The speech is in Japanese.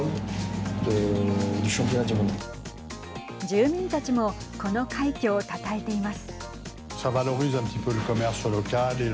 住民たちもこの快挙をたたえています。